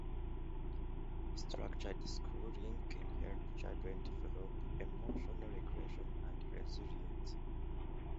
Structured schooling can help children develop emotional regulation and resilience.